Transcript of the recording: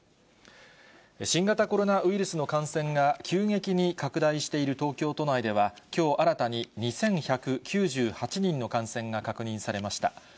新型コロナウイルスの感染が急激に拡大している東京都内では、きょう新たに２１９８人の感染が確認されました。